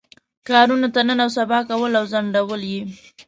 کارونو ته نن او سبا کول او ځنډول یې.